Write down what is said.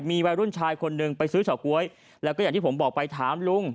มีวัยรุ่นชายคนหนึ่งไปซื้อเฉาก๊วยแล้วก็อย่างที่ผมบอกไปถามลุง